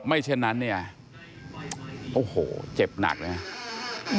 ไม่เช่นนั้นเนี่ยโอ้โหเจ็บหนักนะครับ